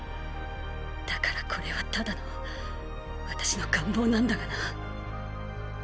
だからこれはただの私の願望なんだがな。